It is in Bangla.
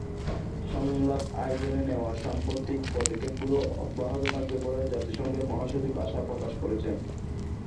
সংলাপ আয়োজনে নেওয়া সাম্প্রতিক পদক্ষেপগুলো অব্যাহত থাকবে বলে জাতিসংঘের মহাসচিব আশা প্রকাশ করেছেন।